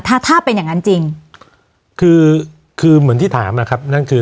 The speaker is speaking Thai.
ถ้าถ้าเป็นอย่างนั้นจริงคือคือเหมือนที่ถามนะครับนั่นคือ